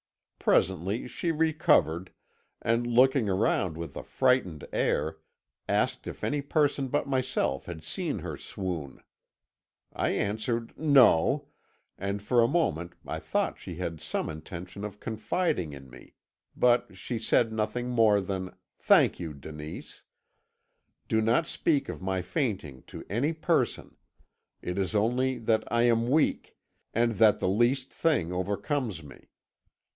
Presently she recovered, and looking around with a frightened air, asked if any person but myself had seen her swoon. I answered 'No,' and for a moment I thought she had some intention of confiding in me, but she said nothing more than 'Thank you, Denise; do not speak of my fainting to any person; it is only that I am weak, and that the least thing overcomes me.